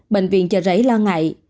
bệnh viện chờ rảy lo ngại